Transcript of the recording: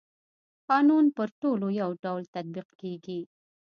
قانون پر ټولو يو ډول تطبيق کيږي.